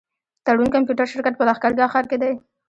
تړون کمپيوټر شرکت په لښکرګاه ښار کي دی.